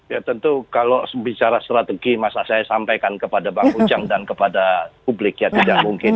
ya tentu kalau bicara strategi masa saya sampaikan kepada bang ujang dan kepada publik ya tidak mungkin